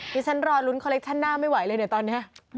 ฉันรอลุ้นคอเล็กชั่นหน้าไม่ไหวเลยเนี่ยตอนนี้